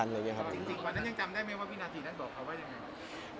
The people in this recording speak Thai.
จริงว่านั่นยังจำได้ไหมว่าพี่นาธินั่นบอกเขาว่าอย่างไร